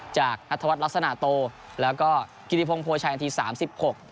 จากนัทวัฒนลักษณะโตแล้วก็กิริพงศ์โพชัยนาทีสามสิบหก